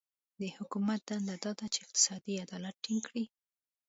د حکومت دنده دا ده چې اقتصادي عدالت ټینګ کړي.